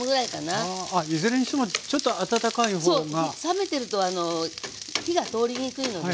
冷めてると火が通りにくいのでね。